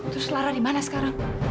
terus lara dimana sekarang